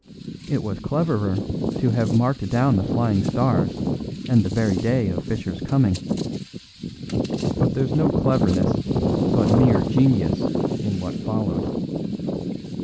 It was cleverer to have marked down the Flying Stars and the very day of Fischer's coming. But there's no cleverness, but mere genius, in what followed.